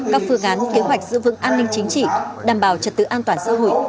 các phương án kế hoạch giữ vững an ninh chính trị đảm bảo trật tự an toàn xã hội